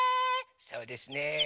そうですね。